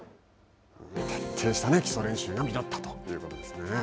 徹底した基礎練習が実ったということですね。